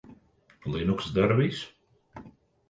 Linux dara visu.